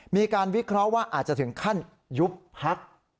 มีการวิเคราะห์ว่าอาจจะถึงขั้นยุบพัก